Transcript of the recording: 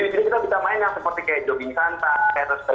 jadi kita bisa main yang seperti jogging santai kayak respek